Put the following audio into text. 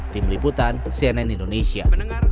tim liputan cnn indonesia